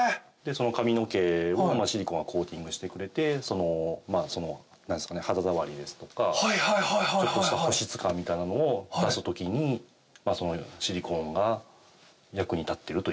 髪の毛をシリコーンがコーティングしてくれてその肌触りですとかちょっとした保湿感みたいなのを出す時にシリコーンが役に立ってるという。